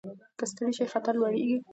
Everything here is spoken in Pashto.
که ستړي شئ خطر لوړېږي.